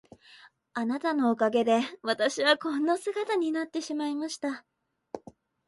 あなたのおかげで私はこんな姿になってしまいました。